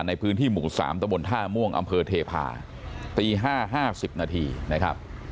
ในพื้นที่หมู่๓ตะบนท่าม่วงอำเภอเทพาตี๕๕๐นาทีนะครับ